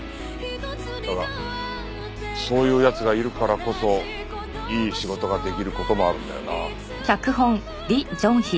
だがそういう奴がいるからこそいい仕事ができる事もあるんだよな。